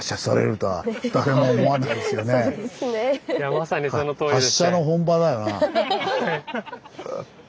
まさにそのとおりですね。